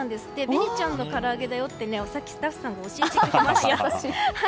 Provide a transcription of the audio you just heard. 紅ちゃんのからあげだよってさっきスタッフさんが教えてくれました。